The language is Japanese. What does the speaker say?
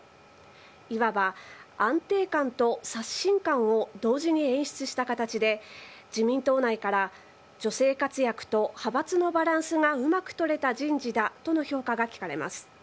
いわば安定感と刷新感を同時に演出した形で自民党内から女性活躍と派閥のバランスがうまく取れた人事だとの評価が聞かれます。